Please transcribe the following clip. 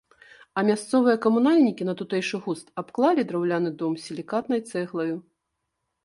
А мясцовыя камунальнікі на тутэйшы густ абклалі драўляны дом сілікатнай цэглаю.